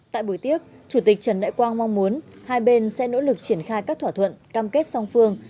tại buổi tiếp chủ tịch trần đại quang mong muốn hai bên sẽ nỗ lực triển khai các thỏa thuận cam kết song phương